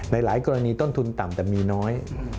หลายกรณีต้นทุนต่ำแต่มีน้อย